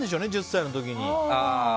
１０歳の時に。